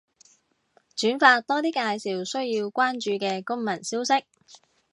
轉發多啲介紹需要關注嘅公民消息